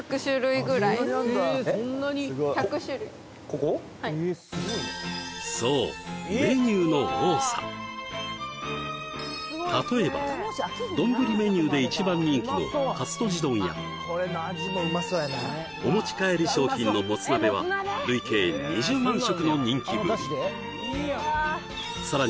はいそうメニューの多さ例えば丼メニューで一番人気のカツとじ丼やお持ち帰り商品のもつ鍋は累計２０万食の人気ぶりさらに